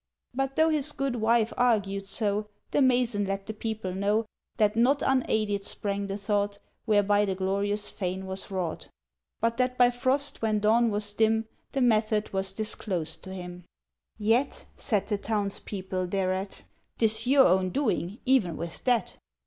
—But, though his good wife argued so, The mason let the people know That not unaided sprang the thought Whereby the glorious fane was wrought, But that by frost when dawn was dim The method was disclosed to him. "Yet," said the townspeople thereat, "'Tis your own doing, even with that!"